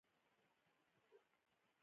مړه ته د همېشه دعا لازم ده